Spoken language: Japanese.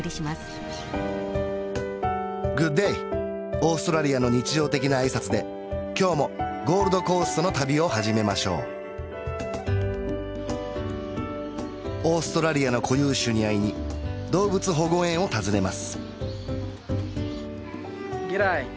オーストラリアの日常的な挨拶で今日もゴールドコーストの旅を始めましょうオーストラリアの固有種に会いに動物保護園を訪ねます